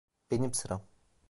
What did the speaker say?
Benim sıram.